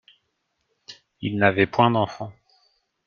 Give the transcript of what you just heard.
Ils n’avaient point d’enfants.